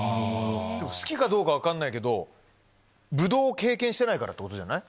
好きかどうか分かんないけどぶどうを経験してないからってことじゃない？